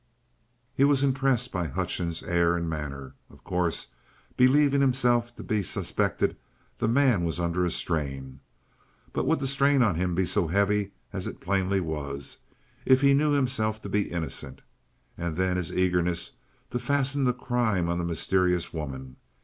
He was impressed by Hutchings' air and manner. Of course, believing himself to be suspected, the man was under a strain. But would the strain on him be so heavy as it plainly was, if he knew himself to be innocent? And then his eagerness to fasten the crime on the mysterious woman.